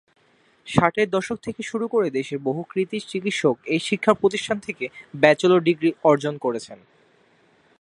ষাটের দশক থেকে শুরু করে দেশের বহু কৃতী চিকিৎসক এই শিক্ষাপ্রতিষ্ঠান থেকে ব্যাচেলর ডিগ্রি অর্জন করেছেন।